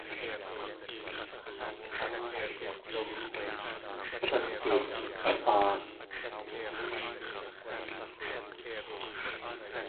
Tlél oollʼáa.